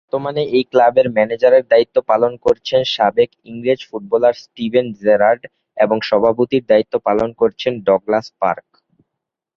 বর্তমানে এই ক্লাবের ম্যানেজারের দায়িত্ব পালন করছেন সাবেক ইংরেজ ফুটবলার স্টিভেন জেরার্ড এবং সভাপতির দায়িত্ব পালন করছেন ডগলাস পার্ক।